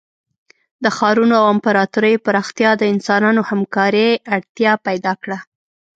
د ښارونو او امپراتوریو پراختیا د انسانانو همکارۍ اړتیا پیدا کړه.